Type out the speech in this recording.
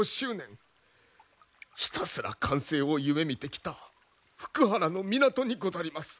ひたすら完成を夢みてきた福原の港にござります。